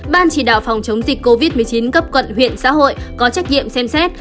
ban chỉ đạo phòng chống dịch covid một mươi chín cấp quận huyện xã hội có trách nhiệm xem xét